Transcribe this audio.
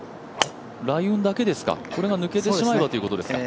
雷雲だけですか、これが抜けてしまえばということですか。